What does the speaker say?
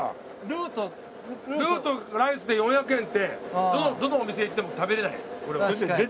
ルーとライスで４００円ってどのお店行っても食べられないよ。